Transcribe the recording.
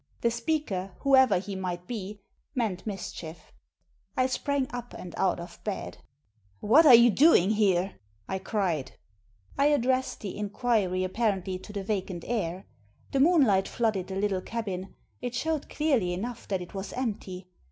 The speaker, whoever he might be, meant mischief. I sprang up and out of bed. Digitized by VjOOQIC THE HOUSEBOAT 273 " What are you doing here ?" I cried. I addressed the inquiry apparently to the vacant air. The moonlight flooded the little cabin. It showed clearly enough that it was empty.